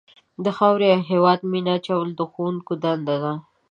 د خاورې او هېواد مینه اچول د ښوونکو دنده ده.